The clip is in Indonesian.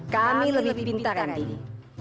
kami lebih pintar randi